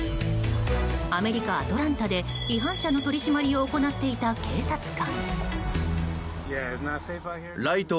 アメリカ・アトランタで違反車の取り締まりを行っていた警察官。